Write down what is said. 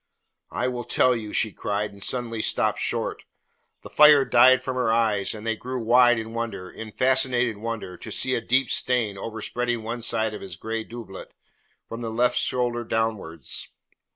"I will tell you," she cried, and suddenly stopped short. The fire died from her eyes, and they grew wide in wonder in fascinated wonder to see a deep stain overspreading one side of his grey doublet, from the left shoulder downwards.